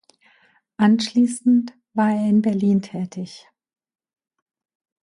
Anschließend war er in Berlin tätig.